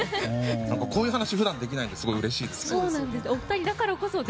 こういう話、普段できないのでうれしいです。